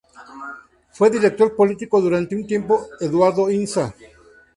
Fue director político durante un tiempo Eduardo Inza.